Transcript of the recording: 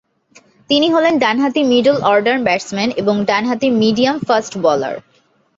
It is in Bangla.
তিনি হলেন ডানহাতি মিডল অর্ডার ব্যাটসম্যান এবং ডানহাতি মিডিয়াম ফাস্ট বোলার।